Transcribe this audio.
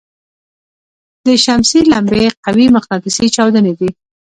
د شمسي لمبې قوي مقناطیسي چاودنې دي.